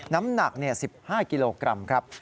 น้ำหนัก๑๕กิโลกรัมครับ